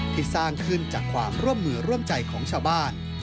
ที่สร้างขึ้นจากความร่วมมือร่วมใจของชาวบ้าน